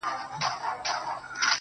مجموعه ده د روحونو په رگو کي,